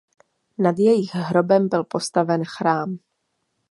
Nad jejich hrobem byl postaven chrám.